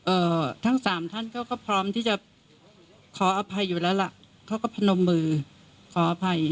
เอ่อทั้งสามท่านเขาก็พร้อมที่จะขออภัยอยู่แล้วล่ะเขาก็พนมมือขออภัย